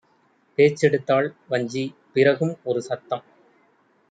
பேச்செடுத்தாள் வஞ்சி; பிறகும் ஒருசத்தம்: